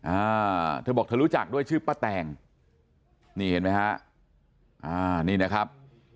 อ่าเธอบอกเธอรู้จักด้วยชื่อป้าแตงนี่เห็นไหมฮะอ่านี่นะครับ